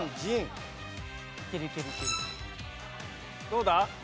どうだ？